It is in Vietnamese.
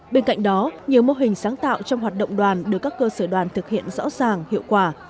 bên cạnh đó nhiều mô hình sáng tạo trong hoạt động đoàn được các cơ sở đoàn thực hiện rõ ràng hiệu quả